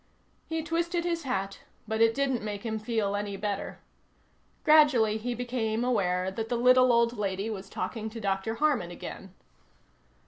He twisted his hat, but it didn't make him feel any better. Gradually, he became aware that the little old lady was talking to Dr. Harman again.